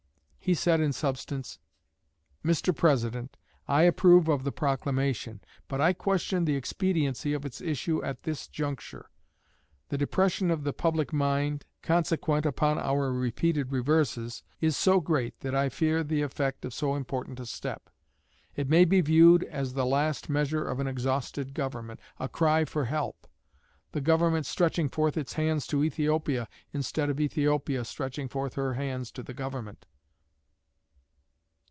He said in substance: 'Mr. President, I approve of the proclamation, but I question the expediency of its issue at this juncture. The depression of the public mind, consequent upon our repeated reverses, is so great that I fear the effect of so important a step. It may be viewed as the last measure of an exhausted government, a cry for help; the government stretching forth its hands to Ethiopia, instead of Ethiopia stretching forth her hands to the government.'